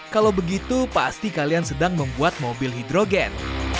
kalau begitu pasti kalian sedang membuat mobil hidrogen